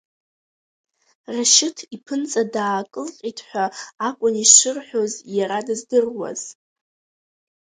Рашьыҭ иԥынҵа даакылҟьеит ҳәа акәын ишизырҳәоз иара дыздыруаз.